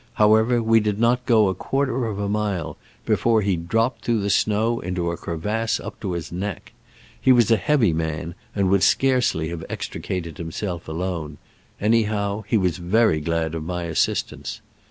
However, we did not go a quarter of a mile before he dropped through the snow into a crevasse up to his neck. He was a heavy man, and would scarcely have extricated himself alone ; anyhow, he was very glad of my assistance.